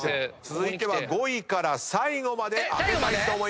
続いては５位から最後まで開けたいと思います。